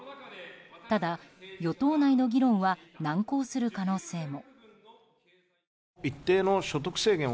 ただ、与党内の議論は難航する可能性も。